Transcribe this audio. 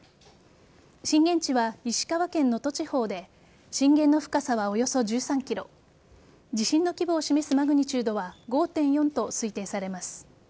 震源地は石川県能登地方で震源の深さはおよそ１３ｋｍ地震の規模を示すマグニチュードは５．４と推定されます。